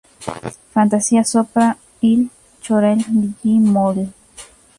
Fantasia sopra il Chorale G-moll".